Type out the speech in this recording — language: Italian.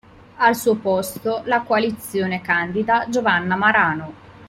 Al suo posto la coalizione candida Giovanna Marano.